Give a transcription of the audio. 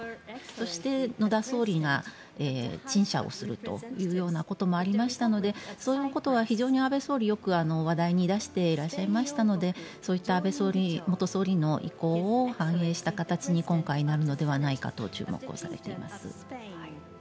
そして、野田総理が陳謝をするということもありましたのでそういうことは非常に安倍総理よく話題に出していらっしゃいましたのでそういった安倍元総理の意向を反映した形に今回、なるのではないかと注目されています。